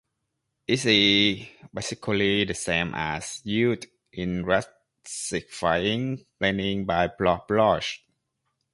It is basically the same as used in classifying bleeding by blood loss.